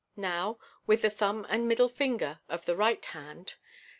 Now, with the thumb and middle finger of the right hand {see Fig.